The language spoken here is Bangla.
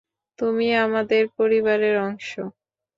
তুমি আমাদের পরিবারের অংশ।